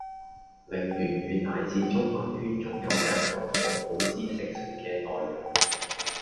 令粵語乃至中文圈中有更多科普知識性嘅內容